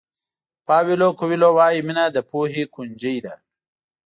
پاویلو کویلو وایي مینه د پوهې کونجۍ ده.